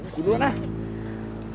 gue duluan lah